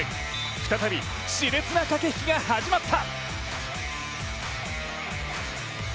再び、しれつな駆け引きが始まった。